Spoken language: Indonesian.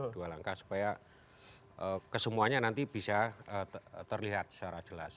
dua langkah supaya kesemuanya nanti bisa terlihat secara jelas